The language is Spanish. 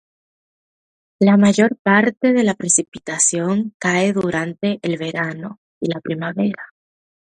La mayor parte de la precipitación cae durante el verano y la primavera.